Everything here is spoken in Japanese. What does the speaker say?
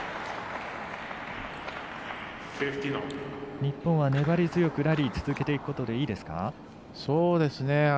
日本は粘り強く、ラリーを続けていくことでいいですか？